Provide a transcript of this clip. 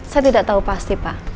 saya tidak tahu pasti pak